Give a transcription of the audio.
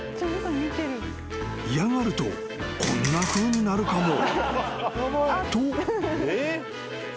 ［嫌がるとこんなふうになるかもと］